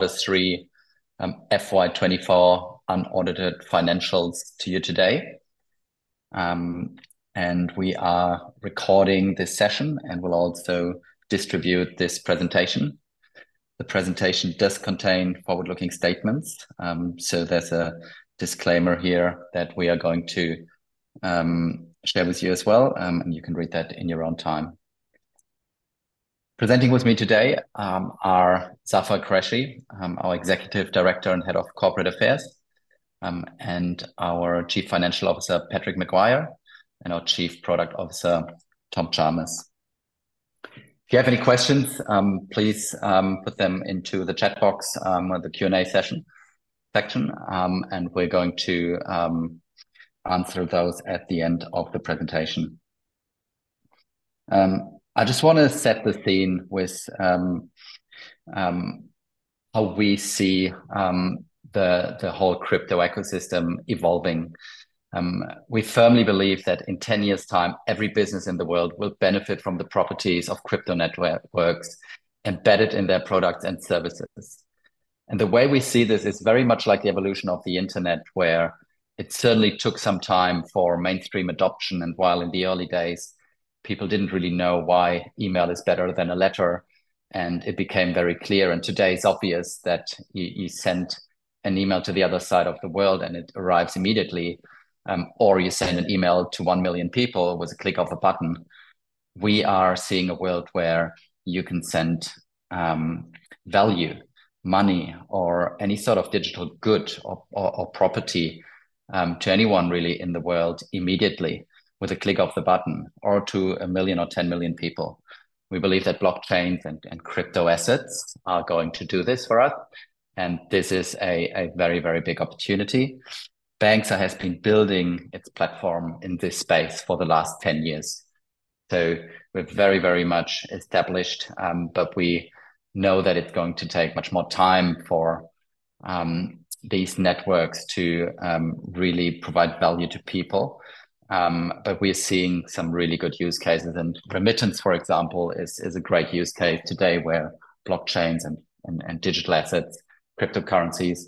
Q3 FY24 unaudited financials to you today. We are recording this session, and we'll also distribute this presentation. The presentation does contain forward-looking statements, so there's a disclaimer here that we are going to share with you as well, and you can read that in your own time. Presenting with me today are Zafer Qureshi, our Executive Director and Head of Corporate Affairs, and our Chief Financial Officer, Patrick Maguire, and our Chief Product Officer, Tom Chalmers. If you have any questions, please put them into the chat box or the Q&A session section, and we're going to answer those at the end of the presentation. I just wanna set the scene with how we see the whole crypto ecosystem evolving. We firmly believe that in 10 years' time, every business in the world will benefit from the properties of crypto networks embedded in their products and services. The way we see this is very much like the evolution of the internet, where it certainly took some time for mainstream adoption. While in the early days, people didn't really know why email is better than a letter, and it became very clear, and today it's obvious that you sent an email to the other side of the world, and it arrives immediately. Or you send an email to 1 million people with a click of a button. We are seeing a world where you can send value, money, or any sort of digital good or property to anyone really in the world immediately with a click of the button or to 1 million or 10 million people. We believe that blockchains and crypto assets are going to do this for us, and this is a very, very big opportunity. Banxa has been building its platform in this space for the last 10 years, so we're very, very much established. But we know that it's going to take much more time for these networks to really provide value to people. But we're seeing some really good use cases, and remittance, for example, is a great use case today, where blockchains and digital assets, cryptocurrencies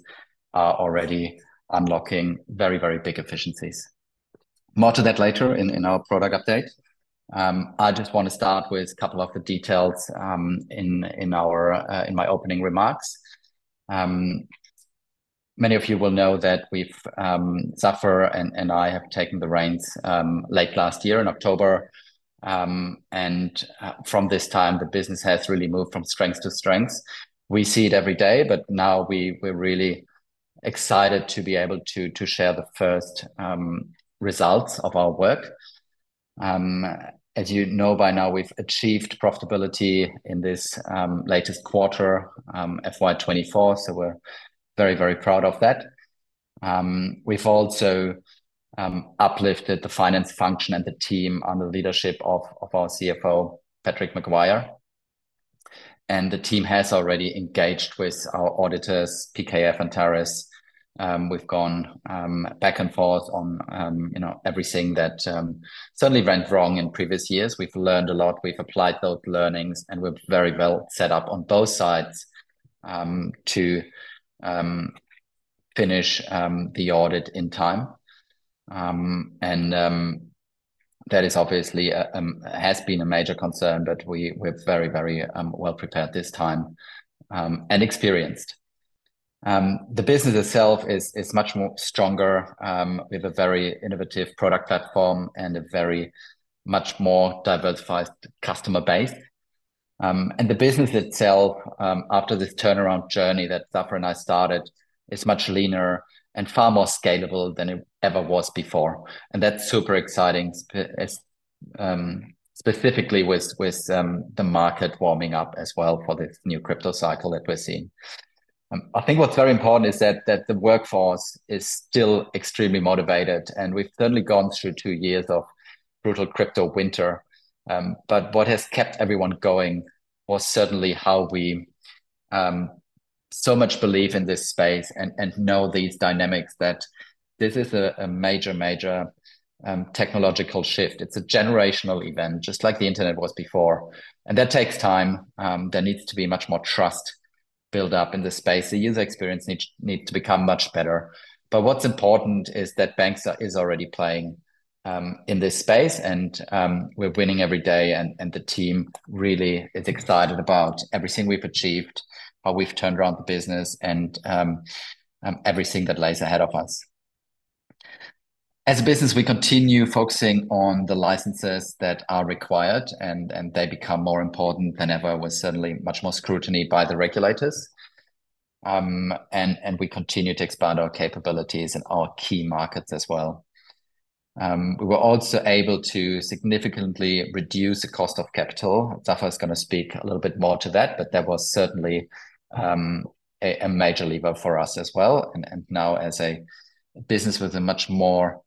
are already unlocking very, very big efficiencies. More to that later in our product update. I just want to start with a couple of the details in my opening remarks. Many of you will know that we've Zafer and I have taken the reins late last year in October. From this time, the business has really moved from strength to strength. We see it every day, but now we're really excited to be able to share the first results of our work. As you know, by now, we've achieved profitability in this latest quarter, FY24, so we're very, very proud of that. We've also uplifted the finance function and the team under the leadership of our CFO, Patrick Maguire, and the team has already engaged with our auditors, PKF Antares. We've gone back and forth on you know everything that certainly went wrong in previous years. We've learned a lot. We've applied those learnings, and we're very well set up on both sides to finish the audit in time. That has obviously been a major concern, but we're very very well-prepared this time and experienced. The business itself is much more stronger with a very innovative product platform and a very much more diversified customer base. The business itself after this turnaround journey that Zafer and I started is much leaner and far more scalable than it ever was before, and that's super exciting specifically with the market warming up as well for this new crypto cycle that we're seeing. I think what's very important is that, that the workforce is still extremely motivated, and we've certainly gone through two years of brutal crypto winter. But what has kept everyone going was certainly how we so much believe in this space and, and know these dynamics that this is a, a major, major technological shift. It's a generational event, just like the internet was before, and that takes time. There needs to be much more trust built up in this space. The user experience needs, needs to become much better. But what's important is that Banxa is already playing in this space, and we're winning every day, and, and the team really is excited about everything we've achieved, how we've turned around the business, and everything that lies ahead of us. As a business, we continue focusing on the licenses that are required, and they become more important than ever, with certainly much more scrutiny by the regulators. We continue to expand our capabilities in our key markets as well. We were also able to significantly reduce the cost of capital. Zafer is gonna speak a little bit more to that, but that was certainly a major lever for us as well. Now, as a business with a much more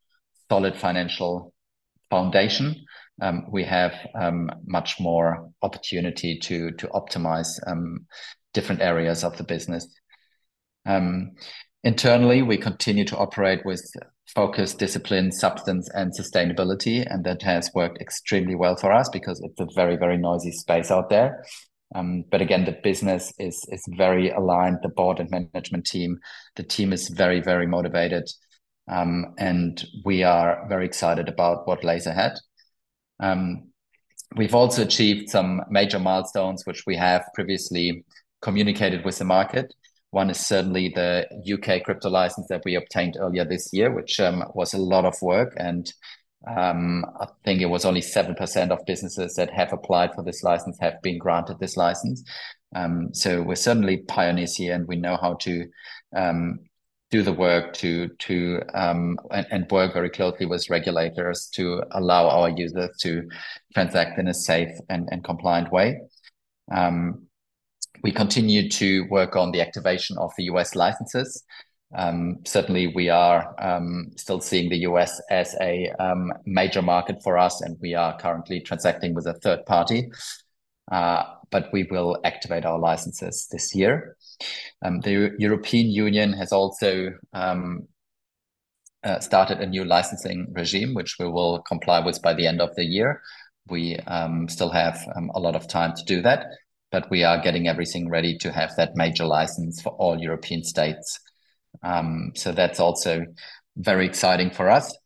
solid financial foundation, we have much more opportunity to optimize different areas of the business. Internally, we continue to operate with focus, discipline, substance, and sustainability, and that has worked extremely well for us because it's a very, very noisy space out there. But again, the business is very aligned. The board and management team, the team is very, very motivated, and we are very excited about what lies ahead. We've also achieved some major milestones which we have previously communicated with the market. One is certainly the UK crypto license that we obtained earlier this year, which was a lot of work. I think it was only 7% of businesses that have applied for this license have been granted this license. So we're certainly pioneers here, and we know how to do the work to and work very closely with regulators to allow our users to transact in a safe and compliant way. We continue to work on the activation of the US licenses. Certainly, we are still seeing the U.S. as a major market for us, and we are currently transacting with a third party. But we will activate our licenses this year. The European Union has also started a new licensing regime, which we will comply with by the end of the year. We still have a lot of time to do that, but we are getting everything ready to have that major license for all European states. So that's also very exciting for us.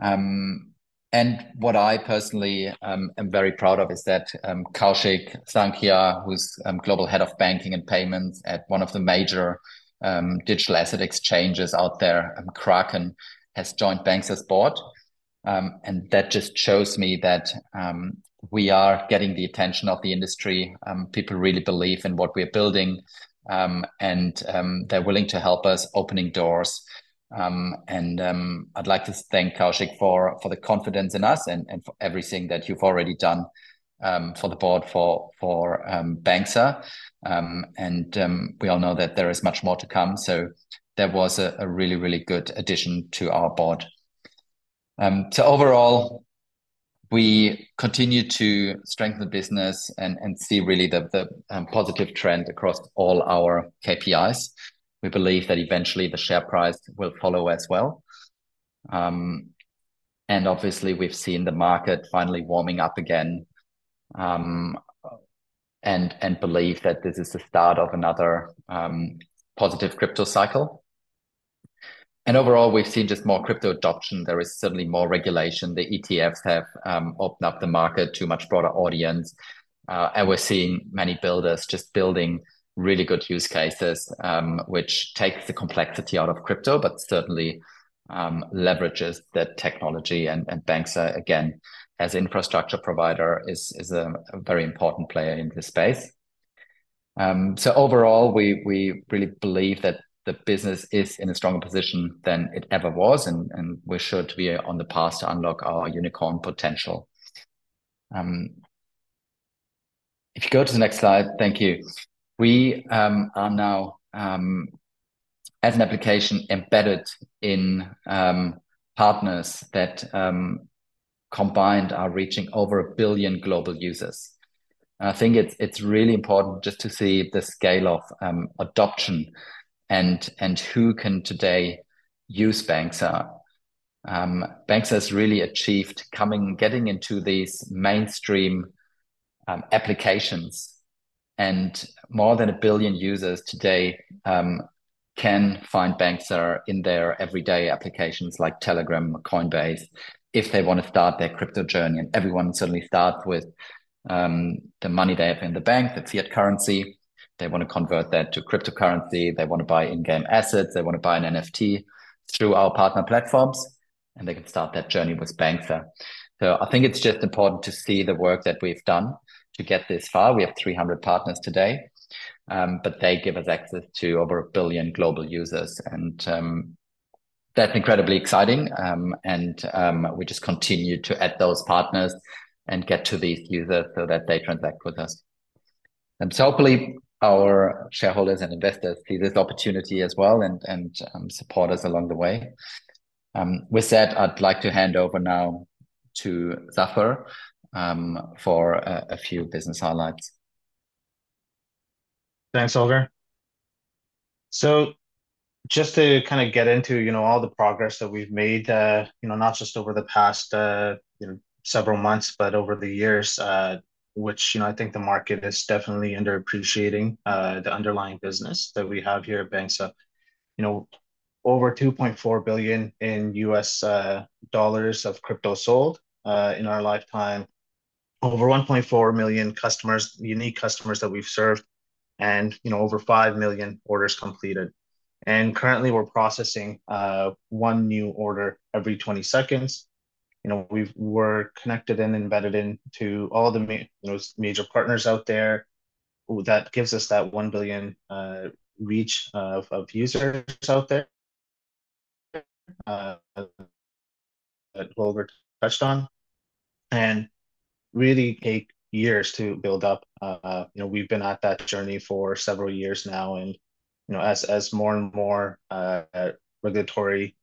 And what I personally am very proud of is that, Kaushik Sthankiya, who's Global Head of Banking and Payments at one of the major digital asset exchanges out there, Kraken, has joined Banxa's board. And that just shows me that we are getting the attention of the industry. People really believe in what we're building, and they're willing to help us opening doors. And I'd like to thank Kaushik for the confidence in us and for everything that you've already done for the board, for Banxa. And we all know that there is much more to come, so that was a really, really good addition to our board. So overall, we continue to strengthen the business and see really the positive trend across all our KPIs. We believe that eventually the share price will follow as well. And obviously, we've seen the market finally warming up again, and believe that this is the start of another positive crypto cycle. And overall, we've seen just more crypto adoption. There is certainly more regulation. The ETFs have opened up the market to a much broader audience. And we're seeing many builders just building really good use cases, which takes the complexity out of crypto, but certainly leverages the technology. Banxa, again, as infrastructure provider, is a very important player in this space. So overall, we really believe that the business is in a stronger position than it ever was, and we're sure to be on the path to unlock our unicorn potential. If you go to the next slide... Thank you. We are now, as an application, embedded in partners that combined are reaching over 1 billion global users. And I think it's really important just to see the scale of adoption and who can today use Banxa. Banxa has really achieved getting into these mainstream applications, and more than 1 billion users today can find Banxa in their everyday applications, like Telegram or Coinbase, if they wanna start their crypto journey. And everyone certainly starts with the money they have in the bank, the fiat currency. They wanna convert that to cryptocurrency. They wanna buy in-game assets. They wanna buy an NFT through our partner platforms, and they can start that journey with Banxa. So I think it's just important to see the work that we've done to get this far. We have 300 partners today, but they give us access to over 1 billion global users, and that's incredibly exciting. And we just continue to add those partners and get to these users so that they transact with us. So hopefully, our shareholders and investors see this opportunity as well and support us along the way. With that, I'd like to hand over now to Zafer for a few business highlights. Thanks, Holger. So just to kinda get into, you know, all the progress that we've made, you know, not just over the past, you know, several months, but over the years, which, you know, I think the market is definitely underappreciating, the underlying business that we have here at Banxa. You know, over $2.4 billion in U.S. dollars of crypto sold, in our lifetime. Over 1.4 million customers, unique customers that we've served, and, you know, over 5 million orders completed. And currently, we're processing one new order every 20 seconds. You know, we're connected and embedded into all those major partners out there, that gives us that 1 billion reach of users out there, that Holger touched on, and really take years to build up. You know, we've been at that journey for several years now, and you know, as more and more regulatory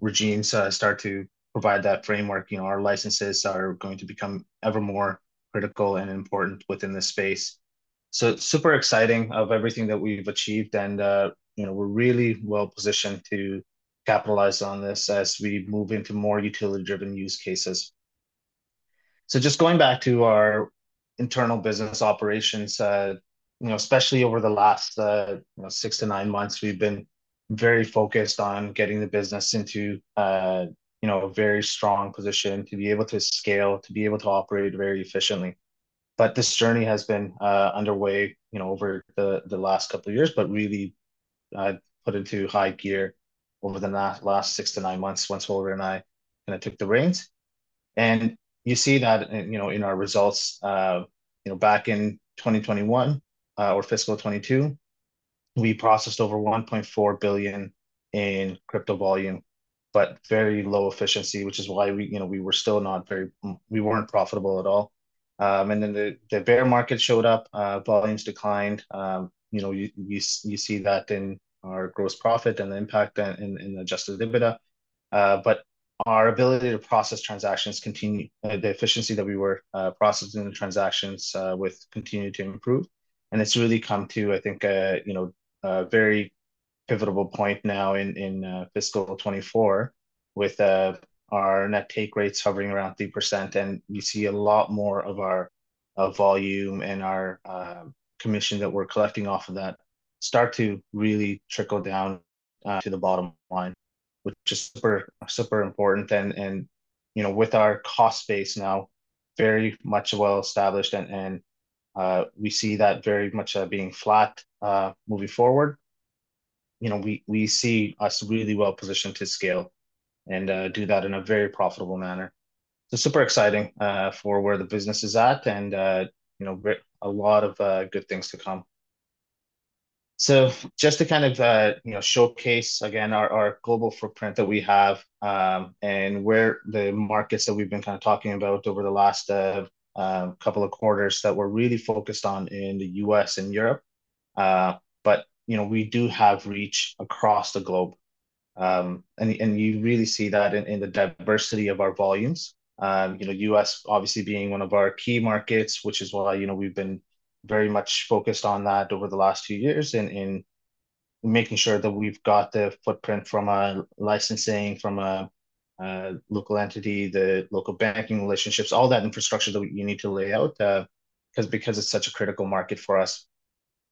regimes start to provide that framework, you know, our licenses are going to become ever more critical and important within this space. So super exciting of everything that we've achieved, and you know, we're really well positioned to capitalize on this as we move into more utility-driven use cases. So just going back to our internal business operations, you know, especially over the last six to nine months, we've been very focused on getting the business into a very strong position to be able to scale, to be able to operate very efficiently. But this journey has been underway, you know, over the last couple of years, but really put into high gear over the last 6-9 months once Holger and I kind of took the reins. And you see that in, you know, in our results, you know, back in 2021, or fiscal 2022, we processed over $1.4 billion in crypto volume, but very low efficiency, which is why we, you know, we were still not very... We weren't profitable at all. And then the bear market showed up, volumes declined. You know, you see that in our gross profit and the impact in Adjusted EBITDA. But our ability to process transactions continued, the efficiency that we were processing the transactions with continued to improve, and it's really come to, I think, you know, a very pivotal point now in fiscal 2024, with our net take rates hovering around 3%. And you see a lot more of our volume and our commission that we're collecting off of that start to really trickle down to the bottom line, which is super, super important. And you know, with our cost base now very much well established and we see that very much being flat moving forward, you know, we see us really well positioned to scale and do that in a very profitable manner. So super exciting for where the business is at and, you know, a lot of good things to come. So just to kind of, you know, showcase again our global footprint that we have, and where the markets that we've been kind of talking about over the last couple of quarters, that we're really focused on in the U.S. and Europe. But, you know, we do have reach across the globe. And you really see that in the diversity of our volumes. You know, the U.S. obviously being one of our key markets, which is why, you know, we've been very much focused on that over the last few years, in making sure that we've got the footprint from a licensing, from a local entity, the local banking relationships, all that infrastructure that you need to lay out, because it's such a critical market for us.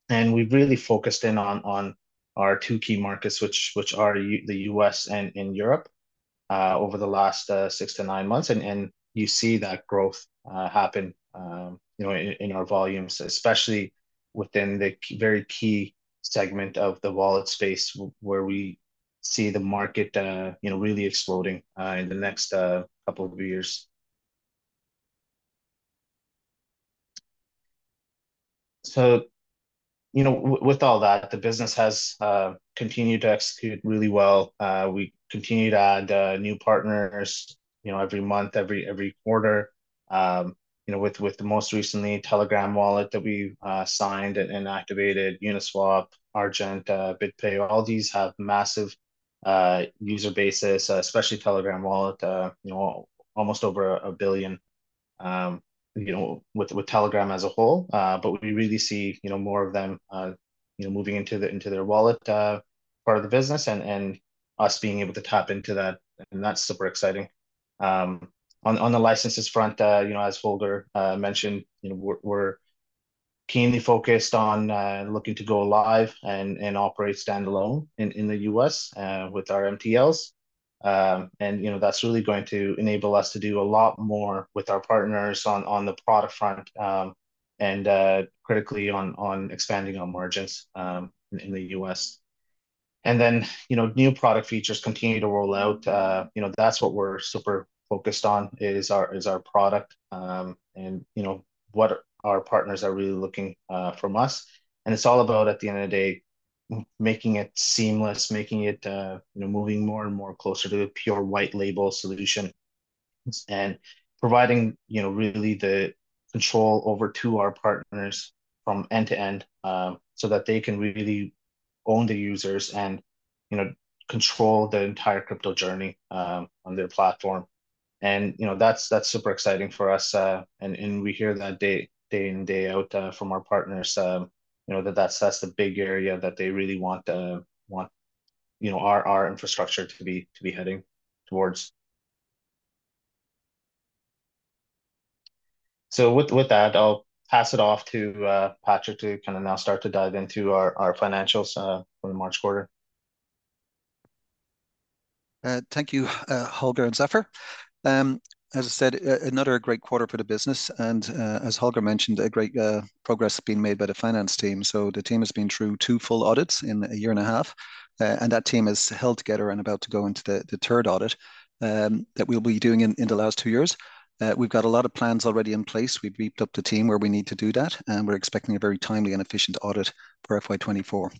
And we've really focused in on our two key markets, which are the U.S. and in Europe, over the last six to nine months. And you see that growth happen, you know, in our volumes, especially within the key, very key segment of the wallet space, where we see the market, you know, really exploding in the next couple of years. So, you know, with all that, the business has continued to execute really well. We continue to add new partners, you know, every month, every quarter, you know, with the most recently Telegram Wallet that we signed and activated, Uniswap, Argent, BitPay, all these have massive user bases, especially Telegram Wallet, you know, almost over a billion, you know, with Telegram as a whole. But we really see, you know, more of them, you know, moving into their wallet part of the business and us being able to tap into that, and that's super exciting. On the licenses front, you know, as Holger mentioned, you know, we're keenly focused on looking to go live and operate standalone in the US with our MTLs. And you know, that's really going to enable us to do a lot more with our partners on the product front, and critically on expanding our margins in the US. And then, you know, new product features continue to roll out. You know, that's what we're super focused on, is our product, and you know, what our partners are really looking from us. And it's all about, at the end of the day, making it seamless, making it, you know, moving more and more closer to a pure white label solution, and providing, you know, really the control over to our partners from end to end, so that they can really own the users and, you know, control the entire crypto journey, on their platform. And, you know, that's, that's super exciting for us. And, and we hear that day, day in, day out, from our partners, you know, that that's, that's the big area that they really want, want, you know, our, our infrastructure to be, to be heading towards. So with, with that, I'll pass it off to, Patrick to kind of now start to dive into our, our financials, for the March quarter. Thank you, Holger and Zafer. As I said, another great quarter for the business and, as Holger mentioned, a great progress has been made by the finance team. So the team has been through two full audits in a year and a half, and that team has held together and about to go into the third audit that we'll be doing in the last two years. We've got a lot of plans already in place. We've beefed up the team where we need to do that, and we're expecting a very timely and efficient audit for FY 2024.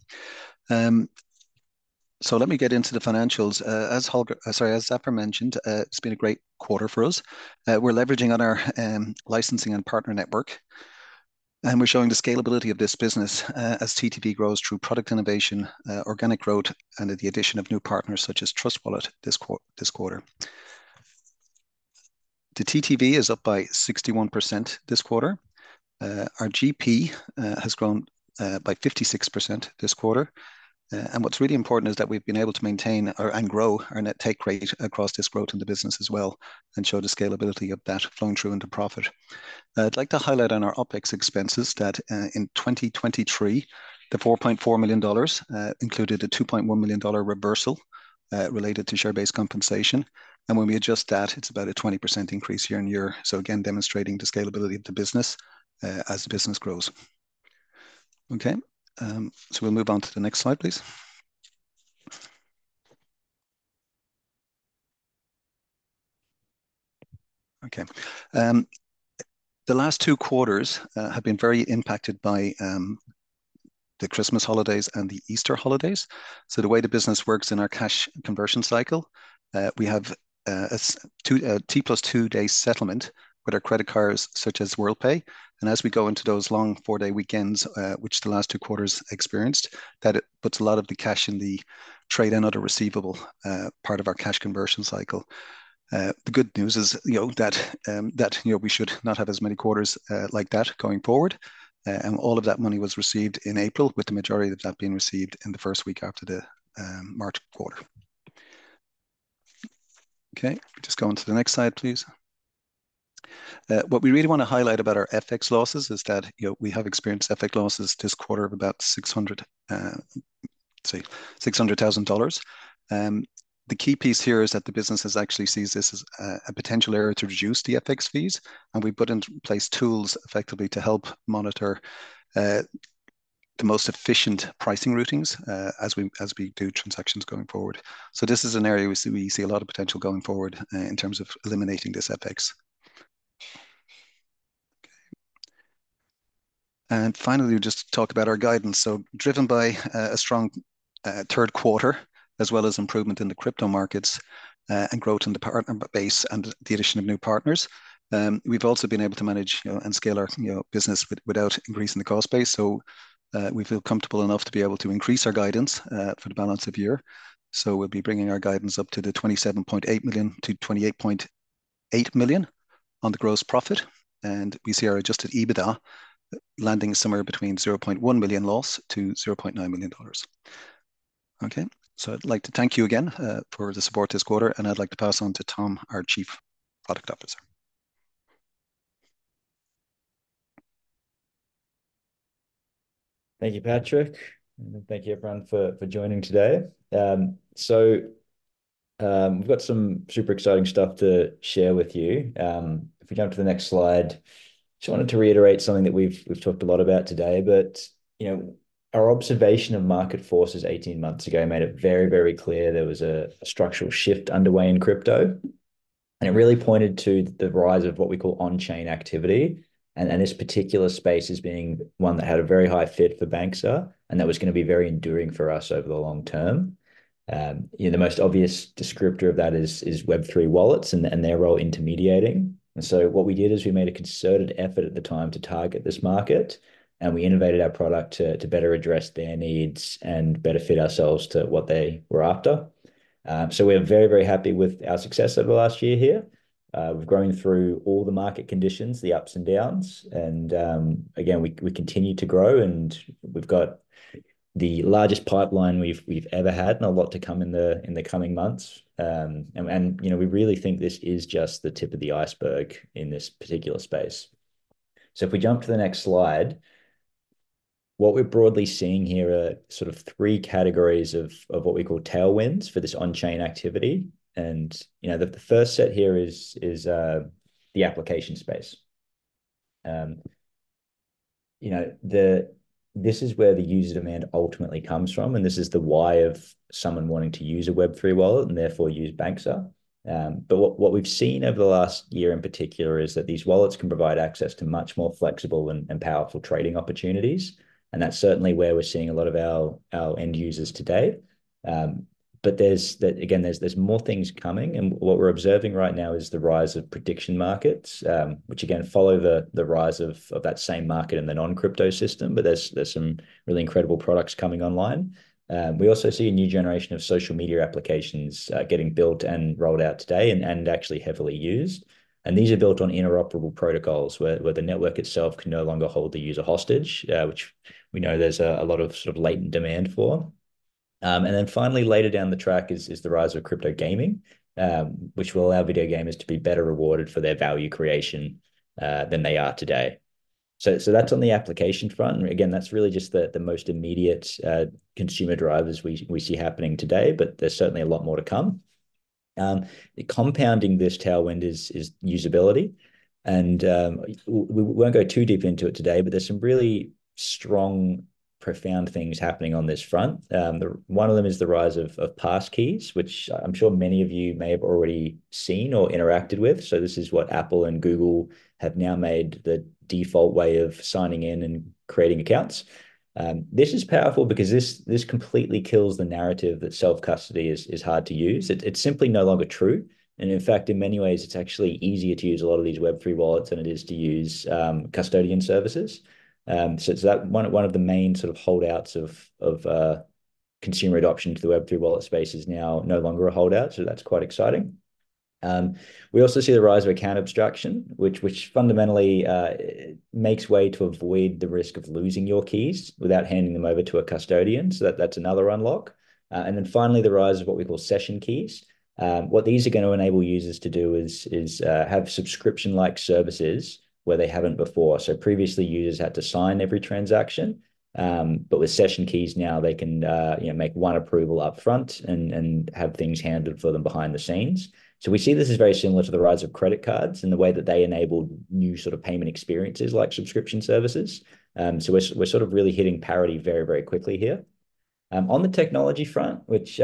So let me get into the financials. As Holger - sorry, as Zafer mentioned, it's been a great quarter for us. We're leveraging on our licensing and partner network.... We're showing the scalability of this business, as TTV grows through product innovation, organic growth, and with the addition of new partners such as Trust Wallet this quarter. The TTV is up by 61% this quarter. Our GP has grown by 56% this quarter. And what's really important is that we've been able to maintain and grow our net take rate across this growth in the business as well, and show the scalability of that flowing through into profit. I'd like to highlight on our OpEx expenses that, in 2023, the $4.4 million included a $2.1 million reversal related to share-based compensation, and when we adjust that, it's about a 20% increase year-on-year. So again, demonstrating the scalability of the business, as the business grows. Okay. So we'll move on to the next slide, please. Okay. The last two quarters have been very impacted by the Christmas holidays and the Easter holidays. So the way the business works in our cash conversion cycle, we have T+2-day settlement with our credit cards, such as Worldpay, and as we go into those long four-day weekends, which the last two quarters experienced, that it puts a lot of the cash in the trade and other receivable part of our cash conversion cycle. The good news is, you know, that, you know, we should not have as many quarters like that going forward. And all of that money was received in April, with the majority of that being received in the first week after the March quarter. Okay, just go on to the next slide, please. What we really want to highlight about our FX losses is that, you know, we have experienced FX losses this quarter of about $600,000. The key piece here is that the business is actually sees this as a potential area to reduce the FX fees, and we've put into place tools effectively to help monitor the most efficient pricing routings as we do transactions going forward. So this is an area we see, we see a lot of potential going forward in terms of eliminating this FX. Okay. And finally, we just talk about our guidance. So driven by a strong third quarter, as well as improvement in the crypto markets, and growth in the partner base and the addition of new partners, we've also been able to manage, you know, and scale our, you know, business without increasing the cost base, so we feel comfortable enough to be able to increase our guidance for the balance of year. So we'll be bringing our guidance up to $27.8 million-$28.8 million on the gross profit, and we see our Adjusted EBITDA landing somewhere between $0.1 million loss to $0.9 million. Okay? So I'd like to thank you again for the support this quarter, and I'd like to pass on to Tom, our Chief Product Officer. Thank you, Patrick, and thank you, everyone, for joining today. So, we've got some super exciting stuff to share with you. If we come to the next slide, just wanted to reiterate something that we've talked a lot about today, but, you know, our observation of market forces 18 months ago made it very, very clear there was a structural shift underway in crypto, and it really pointed to the rise of what we call on-chain activity, and this particular space as being one that had a very high fit for Banxa, and that was gonna be very enduring for us over the long term. You know, the most obvious descriptor of that is Web3 wallets and their role intermediating. And so what we did is we made a concerted effort at the time to target this market, and we innovated our product to better address their needs and better fit ourselves to what they were after. So we're very, very happy with our success over the last year here. We've grown through all the market conditions, the ups and downs, and, again, we continue to grow, and we've got the largest pipeline we've ever had, and a lot to come in the coming months. And, you know, we really think this is just the tip of the iceberg in this particular space. So if we jump to the next slide, what we're broadly seeing here are sort of three categories of what we call tailwinds for this on-chain activity. You know, the first set here is the application space. You know, this is where the user demand ultimately comes from, and this is the why of someone wanting to use a Web3 wallet and therefore use Banxa. But what we've seen over the last year in particular is that these wallets can provide access to much more flexible and powerful trading opportunities, and that's certainly where we're seeing a lot of our end users today. But there's that. Again, there's more things coming, and what we're observing right now is the rise of prediction markets, which again follow the rise of that same market in the non-crypto system, but there's some really incredible products coming online. We also see a new generation of social media applications getting built and rolled out today and actually heavily used, and these are built on interoperable protocols, where the network itself can no longer hold the user hostage, which we know there's a lot of sort of latent demand for. And then finally, later down the track is the rise of crypto gaming, which will allow video gamers to be better rewarded for their value creation than they are today. So that's on the application front, and again, that's really just the most immediate consumer drivers we see happening today, but there's certainly a lot more to come. Compounding this tailwind is usability, and we won't go too deep into it today, but there's some really strong, profound things happening on this front. One of them is the rise of passkeys, which I'm sure many of you may have already seen or interacted with. So this is what Apple and Google have now made the default way of signing in and creating accounts. This is powerful because this completely kills the narrative that self-custody is hard to use. It's simply no longer true, and in fact, in many ways, it's actually easier to use a lot of these Web3 wallets than it is to use custodian services. So it's that one of the main sort of holdouts of... Consumer adoption to the Web3 wallet space is now no longer a holdout, so that's quite exciting. We also see the rise of account abstraction, which fundamentally makes way to avoid the risk of losing your keys without handing them over to a custodian, so that's another unlock. And then finally, the rise of what we call session keys. What these are gonna enable users to do is have subscription-like services where they haven't before. So previously, users had to sign every transaction, but with session keys, now they can you know, make one approval upfront and have things handled for them behind the scenes. So we see this as very similar to the rise of credit cards and the way that they enabled new sort of payment experiences, like subscription services. So we're sort of really hitting parity very, very quickly here. On the technology front, which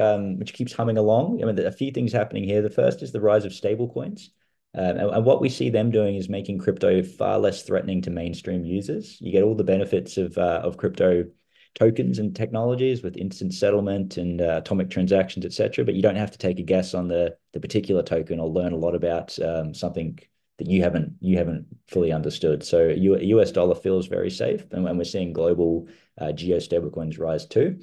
keeps humming along, you know, there are a few things happening here. The first is the rise of stablecoins, and what we see them doing is making crypto far less threatening to mainstream users. You get all the benefits of crypto tokens and technologies, with instant settlement and atomic transactions, et cetera, but you don't have to take a guess on the particular token or learn a lot about something that you haven't fully understood. So a U.S. dollar feels very safe, and we're seeing global geo stablecoins rise, too.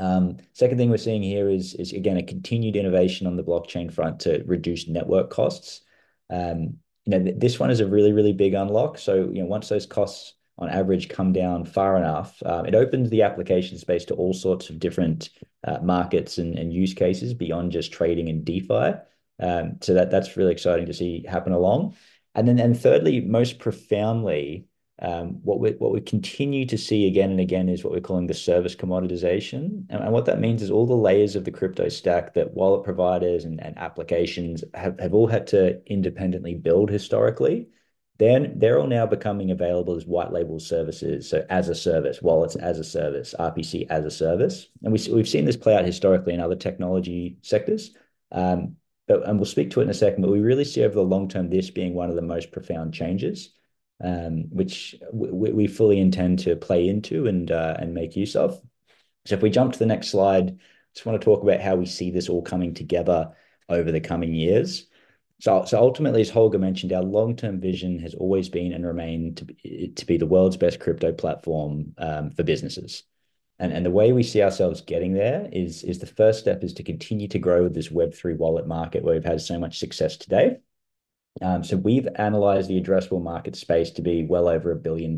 Second thing we're seeing here is, again, a continued innovation on the blockchain front to reduce network costs. You know, this one is a really, really big unlock, so, you know, once those costs on average come down far enough, it opens the application space to all sorts of different markets and use cases beyond just trading and DeFi. So that's really exciting to see happen along. And then, thirdly, most profoundly, what we continue to see again and again is what we're calling the service commoditization, and what that means is all the layers of the crypto stack that wallet providers and applications have all had to independently build historically, they're all now becoming available as white label services, so as a service, wallets as a service, RPC as a service. And we've seen this play out historically in other technology sectors. But... And we'll speak to it in a second, but we really see over the long term this being one of the most profound changes, which we fully intend to play into and make use of. So if we jump to the next slide, I just wanna talk about how we see this all coming together over the coming years. So ultimately, as Holger mentioned, our long-term vision has always been and remained to be the world's best crypto platform for businesses, and the way we see ourselves getting there is the first step to continue to grow this Web3 wallet market, where we've had so much success to date. So we've analyzed the addressable market space to be well over $1 billion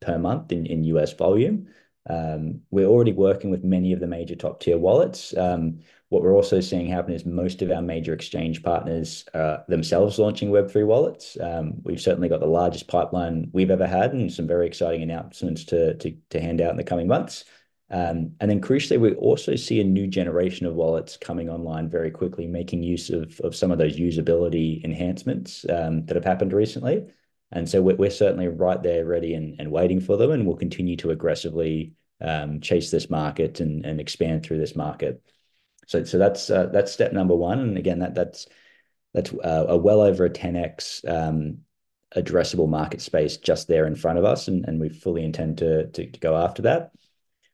per month in U.S. volume. We're already working with many of the major top-tier wallets. What we're also seeing happen is most of our major exchange partners are themselves launching Web3 wallets. We've certainly got the largest pipeline we've ever had and some very exciting announcements to hand out in the coming months. And then crucially, we also see a new generation of wallets coming online very quickly, making use of some of those usability enhancements that have happened recently, and so we're certainly right there, ready and waiting for them, and we'll continue to aggressively chase this market and expand through this market. So that's step number one, and again, that's a well over a 10x addressable market space just there in front of us, and we fully intend to go after that.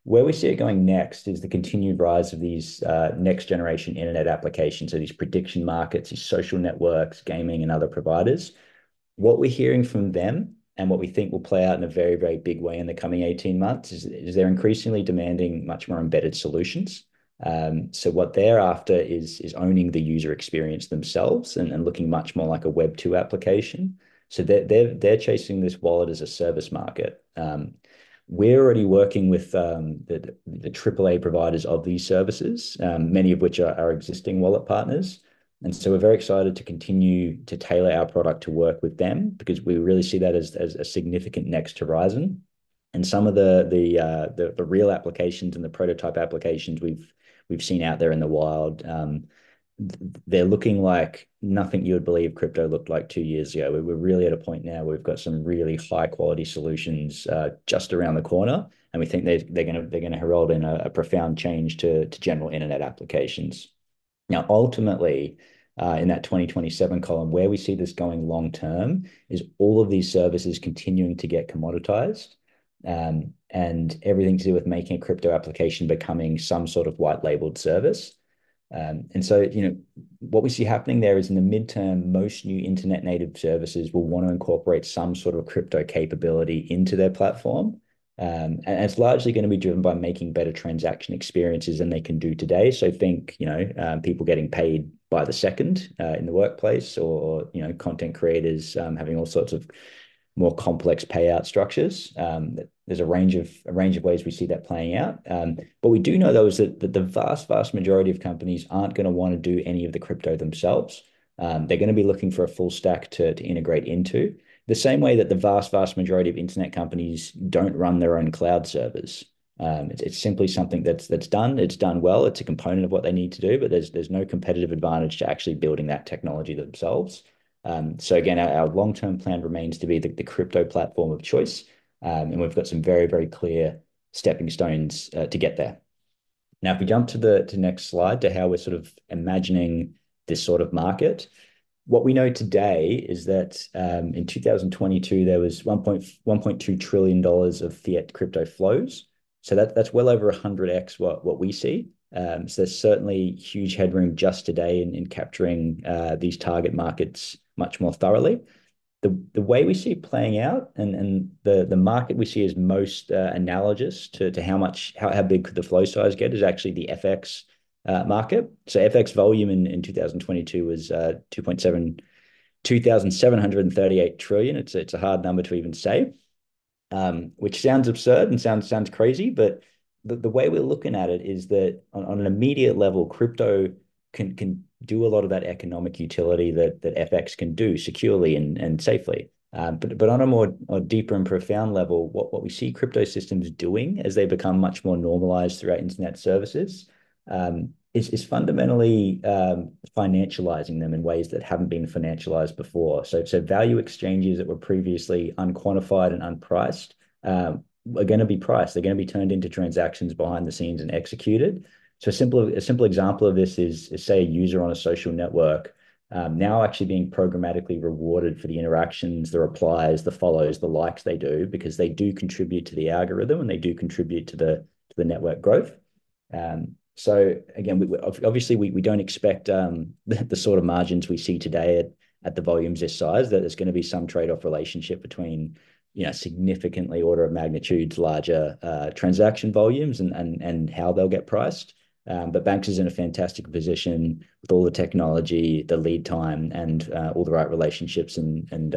Where we see it going next is the continued rise of these next-generation internet applications, so these prediction markets, these social networks, gaming, and other providers. What we're hearing from them and what we think will play out in a very, very big way in the coming 18 months is they're increasingly demanding much more embedded solutions. So what they're after is owning the user experience themselves and looking much more like a Web2 application. So they're chasing this wallet as a service market. We're already working with the AAA providers of these services, many of which are our existing wallet partners, and so we're very excited to continue to tailor our product to work with them because we really see that as a significant next horizon. And some of the real applications and the prototype applications we've seen out there in the wild, they're looking like nothing you would believe crypto looked like two years ago. We're really at a point now where we've got some really high-quality solutions just around the corner, and we think they're gonna herald in a profound change to general internet applications. Now, ultimately, in that 2027 column, where we see this going long term is all of these services continuing to get commoditized, and everything to do with making a crypto application becoming some sort of white-labeled service. And so, you know, what we see happening there is, in the midterm, most new internet-native services will want to incorporate some sort of crypto capability into their platform, and, and it's largely gonna be driven by making better transaction experiences than they can do today. So think, you know, people getting paid by the second, in the workplace or, you know, content creators, having all sorts of more complex payout structures. There's a range of, a range of ways we see that playing out. But we do know, though, is that the vast, vast majority of companies aren't gonna wanna do any of the crypto themselves. They're gonna be looking for a full stack to, to integrate into, the same way that the vast, vast majority of internet companies don't run their own cloud servers. It's simply something that's, that's done, it's done well, it's a component of what they need to do, but there's, there's no competitive advantage to actually building that technology themselves. So again, our, our long-term plan remains to be the, the crypto platform of choice, and we've got some very, very clear stepping stones to get there. Now, if we jump to the next slide to how we're sort of imagining this sort of market, what we know today is that in 2022 there was $1.2 trillion of fiat-to-crypto flows, so that's well over 100x what we see. So there's certainly huge headroom just today in capturing these target markets much more thoroughly. The way we see it playing out and the market we see as most analogous to how much how big could the flow size get is actually the FX market. So FX volume in 2022 was $2,738 trillion. It's a hard number to even say, which sounds absurd and sounds crazy, but the way we're looking at it is that on an immediate level, crypto can do a lot of that economic utility that FX can do securely and safely. But on a more deeper and profound level, what we see crypto systems doing as they become much more normalized throughout internet services is fundamentally financializing them in ways that haven't been financialized before. So value exchanges that were previously unquantified and unpriced are gonna be priced. They're gonna be turned into transactions behind the scenes and executed. A simple example of this is, say, a user on a social network, now actually being programmatically rewarded for the interactions, the replies, the follows, the likes they do, because they do contribute to the algorithm, and they do contribute to the network growth. So again, obviously, we don't expect the sort of margins we see today at the volumes this size, that there's gonna be some trade-off relationship between, you know, significantly order of magnitudes larger transaction volumes and how they'll get priced. But Banxa is in a fantastic position with all the technology, the lead time, and all the right relationships and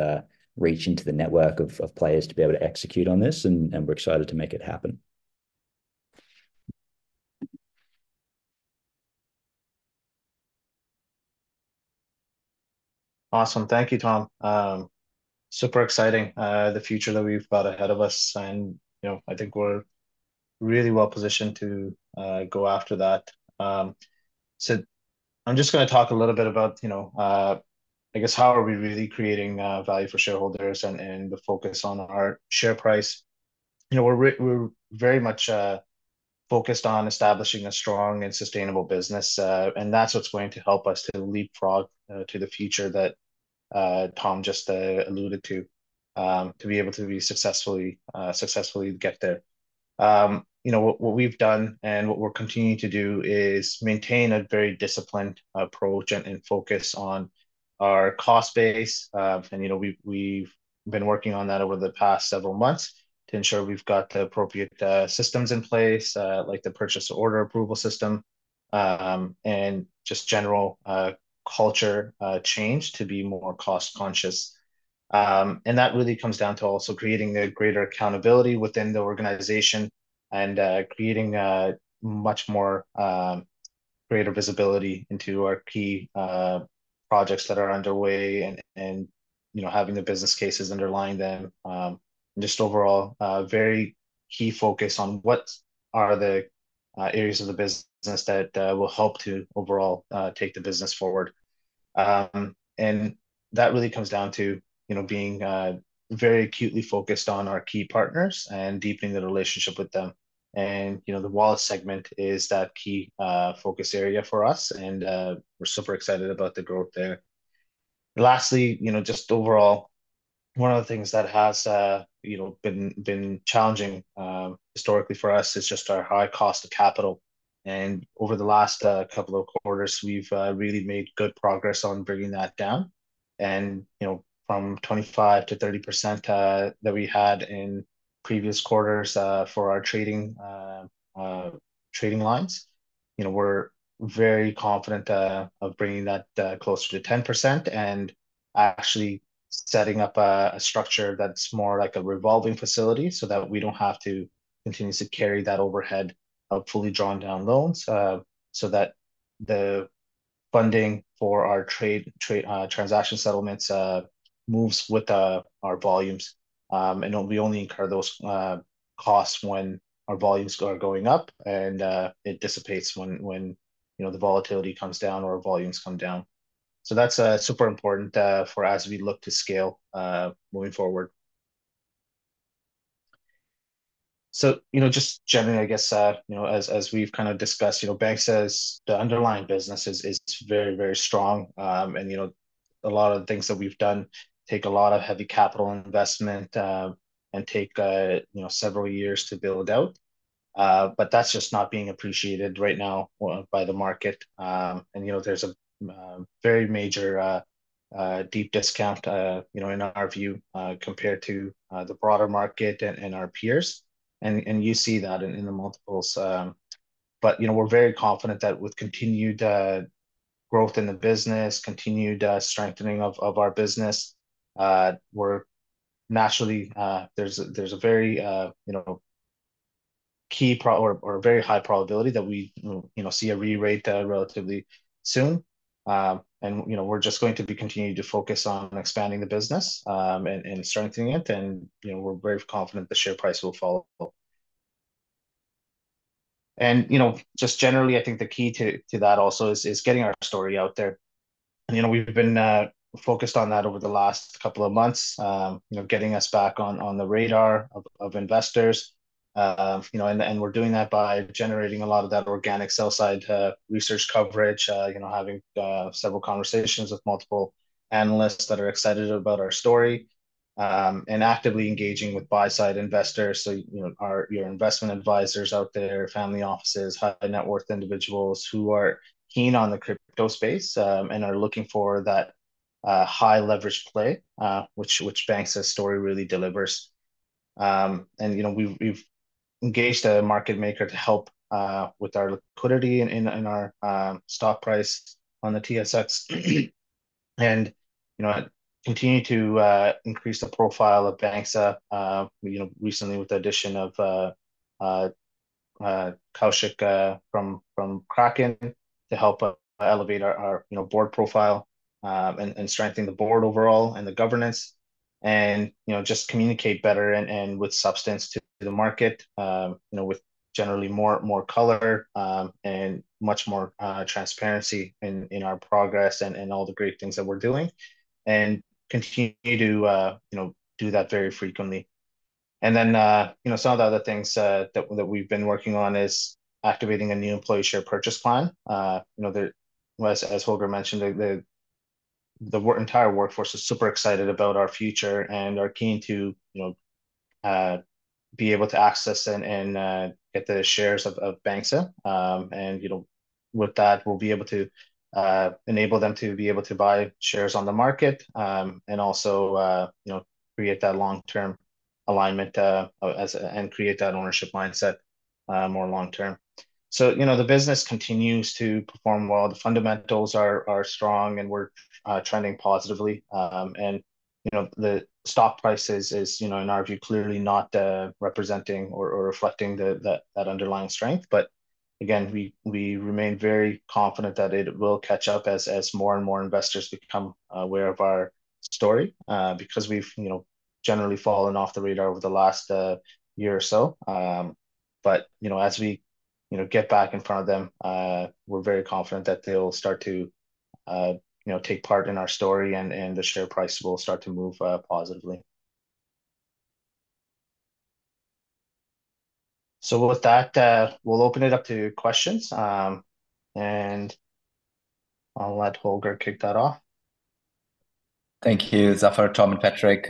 reach into the network of players to be able to execute on this, and we're excited to make it happen. Awesome. Thank you, Tom. Super exciting, the future that we've got ahead of us, and, you know, I think we're really well positioned to go after that. So I'm just gonna talk a little bit about, you know, I guess, how are we really creating value for shareholders and the focus on our share price. You know, we're very much focused on establishing a strong and sustainable business, and that's what's going to help us to leapfrog to the future that Tom just alluded to, to be able to successfully get there. You know, what we've done and what we're continuing to do is maintain a very disciplined approach and focus on our cost base. You know, we've been working on that over the past several months to ensure we've got the appropriate systems in place, like the purchase order approval system, and just general culture change to be more cost-conscious. And that really comes down to also creating a greater accountability within the organization and creating a much more greater visibility into our key projects that are underway and, you know, having the business cases underlying them. Just overall, a very key focus on what are the areas of the business that will help to overall take the business forward. And that really comes down to, you know, being very acutely focused on our key partners and deepening the relationship with them. And, you know, the wallet segment is that key focus area for us, and, we're super excited about the growth there. Lastly, you know, just overall, one of the things that has, you know, been challenging historically for us is just our high cost of capital. And over the last couple of quarters, we've really made good progress on bringing that down. And, you know, from 25%-30% that we had in previous quarters, for our trading lines, you know, we're very confident of bringing that closer to 10% and actually setting up a structure that's more like a revolving facility, so that we don't have to continue to carry that overhead of fully drawn down loans. So that the funding for our trade transaction settlements moves with our volumes. And we only incur those costs when our volumes are going up, and it dissipates when you know, the volatility comes down or volumes come down. So that's super important for as we look to scale moving forward. So, you know, just generally, I guess, you know, as we've kind of discussed, you know, Banxa's the underlying business is very, very strong. And, you know, a lot of the things that we've done take a lot of heavy capital investment, and take you know, several years to build out. But that's just not being appreciated right now by the market. You know, there's a very major deep discount, you know, in our view, compared to the broader market and our peers, and you see that in the multiples. But, you know, we're very confident that with continued growth in the business, continued strengthening of our business, there's a very high probability that we see a re-rate relatively soon. And, you know, we're just going to be continuing to focus on expanding the business, and strengthening it, and, you know, we're very confident the share price will follow. And, you know, just generally, I think the key to that also is getting our story out there. You know, we've been focused on that over the last couple of months, you know, getting us back on the radar of investors. You know, and we're doing that by generating a lot of that organic sell-side research coverage, you know, having several conversations with multiple analysts that are excited about our story... and actively engaging with buy-side investors. So, you know, your investment advisors out there, family offices, high-net-worth individuals who are keen on the crypto space, and are looking for that high-leverage play, which Banxa's story really delivers. And, you know, we've engaged a market maker to help with our liquidity and our stock price on the TSX. And, you know, continue to increase the profile of Banxa, you know, recently with the addition of Kaushik from Kraken to help us elevate our board profile, and strengthen the board overall and the governance and, you know, just communicate better and with substance to the market. You know, with generally more color, and much more transparency in our progress and all the great things that we're doing. And continue to, you know, do that very frequently. And then, you know, some of the other things that we've been working on is activating a new employee share purchase plan. You know, as Holger mentioned, the entire workforce is super excited about our future and are keen to, you know, be able to access and get the shares of Banxa. And, you know, with that, we'll be able to enable them to be able to buy shares on the market, and also, you know, create that long-term alignment and create that ownership mindset, more long term. So, you know, the business continues to perform well. The fundamentals are strong, and we're trending positively. And, you know, the stock price is, you know, in our view, clearly not representing or reflecting that underlying strength. But again, we remain very confident that it will catch up as more and more investors become aware of our story. Because we've, you know, generally fallen off the radar over the last year or so. But, you know, as we, you know, get back in front of them, we're very confident that they'll start to, you know, take part in our story, and the share price will start to move positively. So with that, we'll open it up to questions. And I'll let Holger kick that off. Thank you, Zafer, Tom, and Patrick.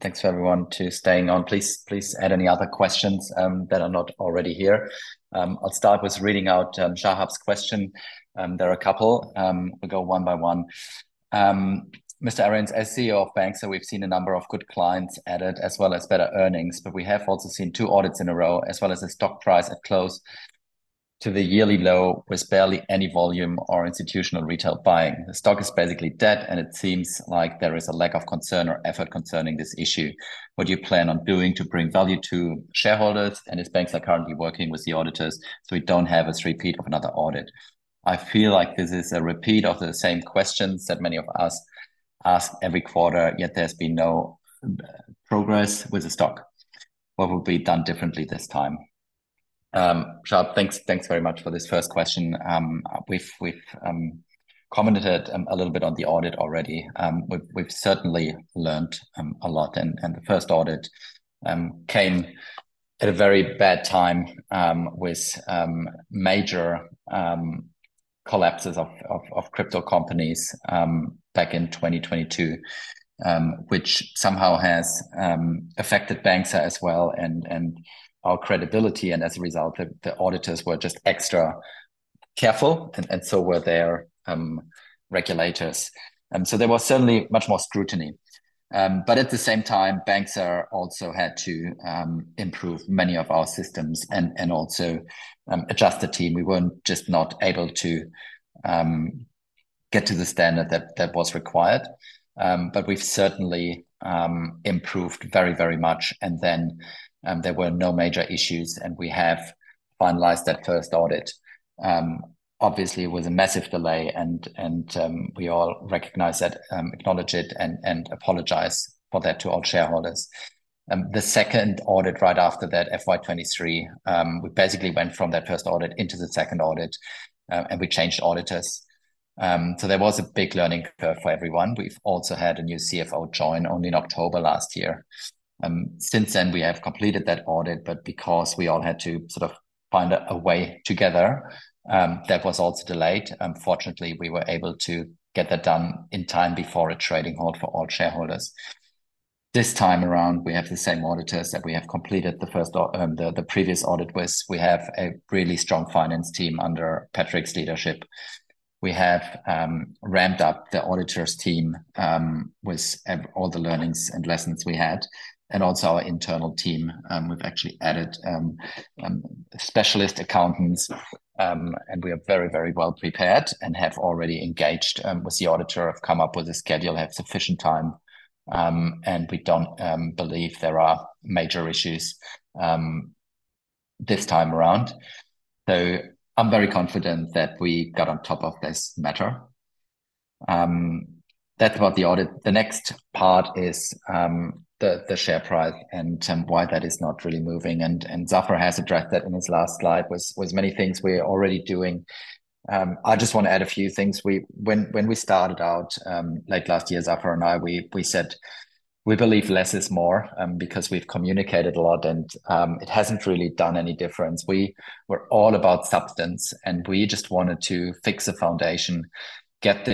Thanks for everyone to staying on. Please, please add any other questions that are not already here. I'll start with reading out Shahab's question; there are a couple. We'll go one by one. "Mr. Arians, as CEO of Banxa, we've seen a number of good clients added, as well as better earnings, but we have also seen two audits in a row, as well as the stock price at close to the yearly low, with barely any volume or institutional retail buying. The stock is basically dead, and it seems like there is a lack of concern or effort concerning this issue. What do you plan on doing to bring value to shareholders? And is Banxa currently working with the auditors so we don't have a repeat of another audit? I feel like this is a repeat of the same questions that many of us ask every quarter, yet there's been no progress with the stock. What will be done differently this time? Shahab, thanks, thanks very much for this first question. We've commented a little bit on the audit already. We've certainly learned a lot, and the first audit came at a very bad time with major collapses of crypto companies back in 2022. Which somehow has affected Banxa as well and our credibility, and as a result, the auditors were just extra careful, and so were their regulators. So there was certainly much more scrutiny. But at the same time, Banxa also had to improve many of our systems and also adjust the team. We weren't just not able to get to the standard that was required. But we've certainly improved very, very much, and then there were no major issues, and we have finalized that first audit. Obviously, it was a massive delay and we all recognize that, acknowledge it, and apologize for that to all shareholders. The second audit, right after that, FY 2023, we basically went from that first audit into the second audit, and we changed auditors. So there was a big learning curve for everyone. We've also had a new CFO join only in October last year. Since then, we have completed that audit, but because we all had to sort of find a way together, that was also delayed. Fortunately, we were able to get that done in time before a trading halt for all shareholders. This time around, we have the same auditors that we have completed the previous audit with. We have a really strong finance team under Patrick's leadership. We have ramped up the auditors team with all the learnings and lessons we had and also our internal team. We've actually added specialist accountants, and we are very, very well prepared and have already engaged with the auditor, have come up with a schedule, have sufficient time, and we don't believe there are major issues this time around. I'm very confident that we got on top of this matter. That's about the audit. The next part is the share price and why that is not really moving, and Zafer has addressed that in his last slide was many things we are already doing. I just want to add a few things. We, when we started out, like last year, Zafer and I, we said we believe less is more, because we've communicated a lot and it hasn't really done any difference. We were all about substance, and we just wanted to fix the foundation, get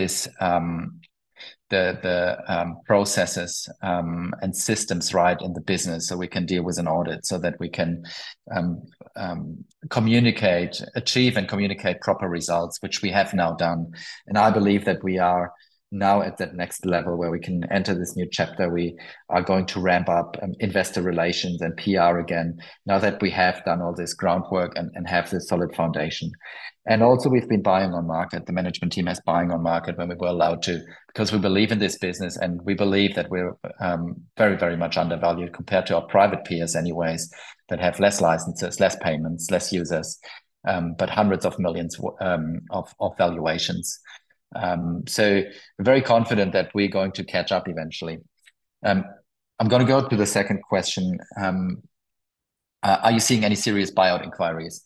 the processes and systems right in the business, so we can deal with an audit, so that we can achieve and communicate proper results, which we have now done. And I believe that we are now at that next level, where we can enter this new chapter. We are going to ramp up, investor relations and PR again, now that we have done all this groundwork and, and have the solid foundation. And also, we've been buying on market, the management team has buying on market when we were allowed to, 'cause we believe in this business, and we believe that we're, very, very much undervalued compared to our private peers anyways, that have less licenses, less payments, less users, but hundreds of millions, of, of valuations. So very confident that we're going to catch up eventually. I'm gonna go to the second question: are you seeing any serious buyout inquiries?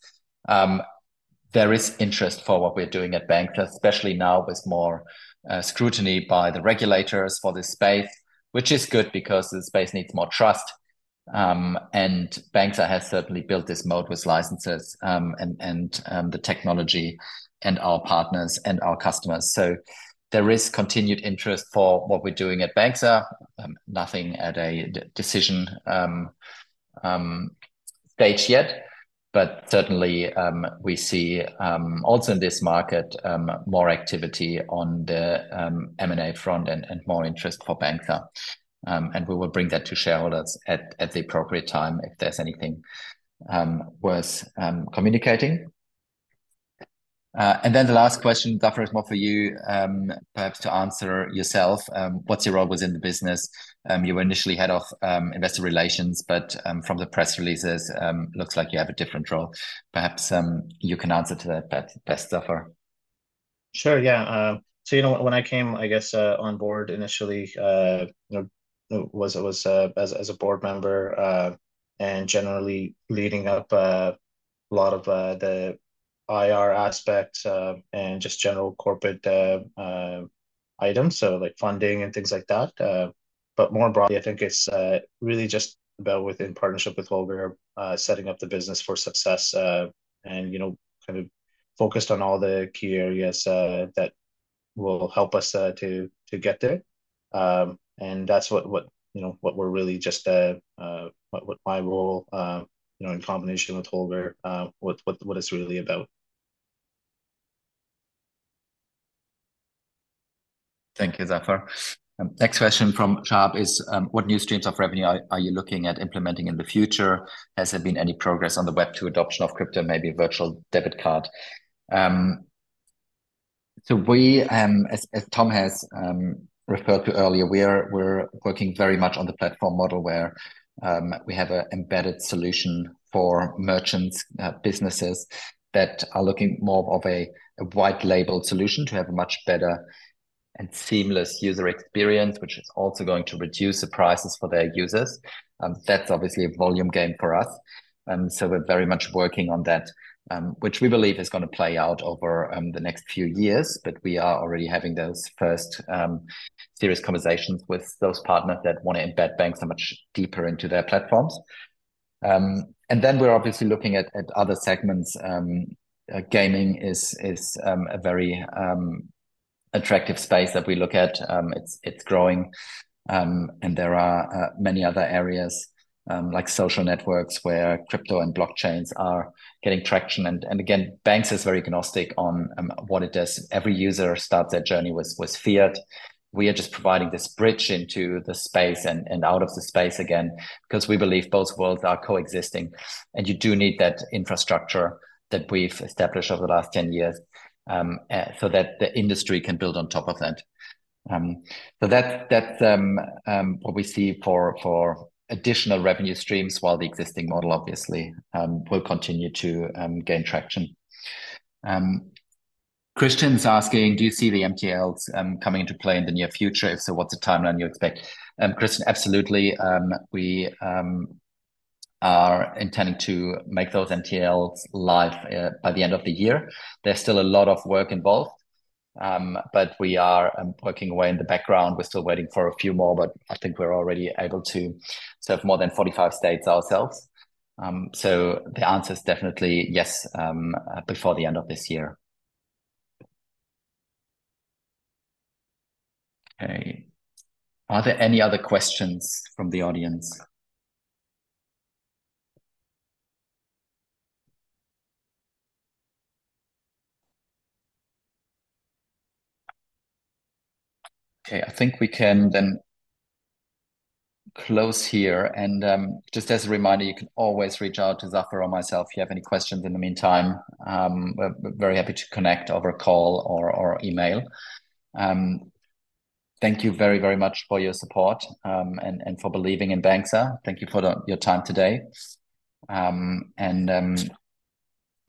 There is interest for what we're doing at Banxa, especially now with more scrutiny by the regulators for this space, which is good because the space needs more trust. And Banxa has certainly built this moat with licenses, and the technology, and our partners, and our customers. So there is continued interest for what we're doing at Banxa. Nothing at a decision stage yet, but certainly, we see also in this market more activity on the M&A front and more interest for Banxa. And we will bring that to shareholders at the appropriate time if there's anything worth communicating. And then the last question, Zafer, is more for you, perhaps to answer yourself. What's your role within the business? You were initially head of investor relations, but from the press releases, looks like you have a different role. Perhaps you can answer to that best, Zafer. Sure, yeah. So, you know what, when I came, I guess, on board initially, you know, it was as a board member, and generally leading up a lot of the IR aspect, and just general corporate items, so like funding and things like that. But more broadly, I think it's really just about within partnership with Holger, setting up the business for success, and, you know, kind of focused on all the key areas that will help us to get there. And that's what, you know, what we're really just... what my role, you know, in combination with Holger, what it's really about. Thank you, Zafer. Next question from Shahab is: what new streams of revenue are you looking at implementing in the future? Has there been any progress on the Web2 adoption of crypto, maybe virtual debit card? So we, as Tom has referred to earlier, we're working very much on the platform model, where we have a embedded solution for merchants, businesses that are looking more of a white label solution to have a much better and seamless user experience, which is also going to reduce the prices for their users. That's obviously a volume game for us, so we're very much working on that, which we believe is gonna play out over the next few years. But we are already having those first, serious conversations with those partners that wanna embed Banxa much deeper into their platforms. And then we're obviously looking at other segments. Gaming is a very attractive space that we look at. It's growing. And there are many other areas, like social networks, where crypto and blockchains are getting traction. And again, Banxa is very agnostic on what it does. Every user starts their journey with fiat. We are just providing this bridge into the space, and out of the space again, 'cause we believe both worlds are coexisting, and you do need that infrastructure that we've established over the last 10 years, so that the industry can build on top of that. So that's what we see for additional revenue streams, while the existing model obviously will continue to gain traction. Christian's asking: Do you see the MTLs coming into play in the near future? If so, what's the timeline you expect? Christian, absolutely. We are intending to make those MTLs live by the end of the year. There's still a lot of work involved, but we are working away in the background. We're still waiting for a few more, but I think we're already able to serve more than 45 states ourselves. So the answer is definitely yes, before the end of this year. Okay, are there any other questions from the audience? Okay, I think we can then close here. Just as a reminder, you can always reach out to Zafer or myself if you have any questions in the meantime. We're very happy to connect over a call or email. Thank you very much for your support and for believing in Banxa. Thank you for your time today.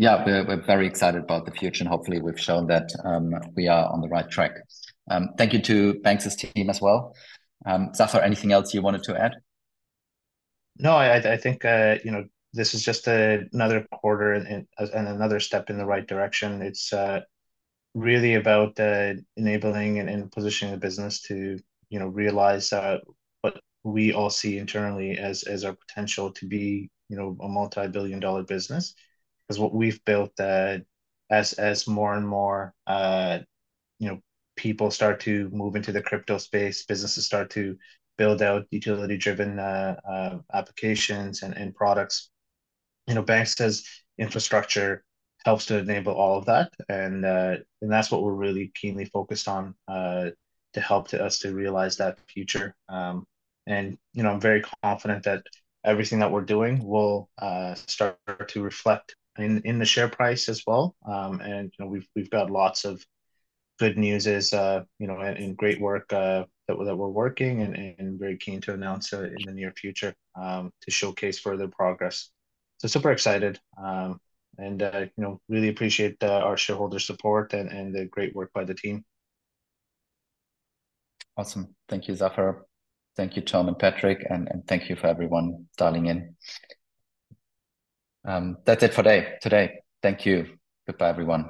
Yeah, we're very excited about the future, and hopefully we've shown that we are on the right track. Thank you to Banxa's team as well. Zafer, anything else you wanted to add? No, I think, you know, this is just another quarter and another step in the right direction. It's really about enabling and positioning the business to, you know, realize what we all see internally as our potential to be, you know, a multi-billion dollar business. 'Cause what we've built, as more and more, you know, people start to move into the crypto space, businesses start to build out utility-driven applications and products, you know, Banxa's infrastructure helps to enable all of that. And that's what we're really keenly focused on to help to us to realize that future. And, you know, I'm very confident that everything that we're doing will start to reflect in the share price as well. You know, we've got lots of good news as you know, and great work that we're working and very keen to announce in the near future to showcase further progress. So super excited, and you know, really appreciate our shareholders' support and the great work by the team. Awesome. Thank you, Zafer. Thank you, Tom and Patrick, and thank you for everyone dialing in. That's it for today. Thank you. Goodbye, everyone.